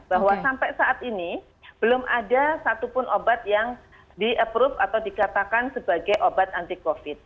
bahwa sampai saat ini belum ada satupun obat yang di approve atau dikatakan sebagai obat anti covid